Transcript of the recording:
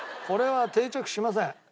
これは定着しません。